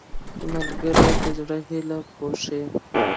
ملګری د زړه هیلې پوښي